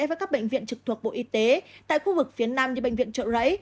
với các bệnh viện trực thuộc bộ y tế tại khu vực phía nam như bệnh viện trợ rẫy